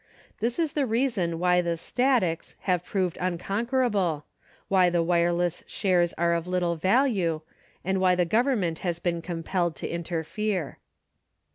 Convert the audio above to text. This is the reason why the "statics" have proved unconquerable, why the wireless shares are of little value and why the Gov ernment has been compelled to interfere.